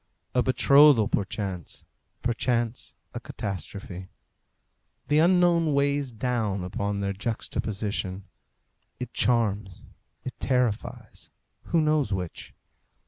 A betrothal perchance, perchance a catastrophe. The unknown weighs down upon their juxtaposition. It charms, it terrifies; who knows which?